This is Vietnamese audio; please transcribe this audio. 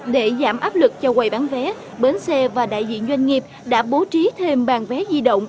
để giảm áp lực cho quầy bán vé bến xe và đại diện doanh nghiệp đã bố trí thêm bàn vé di động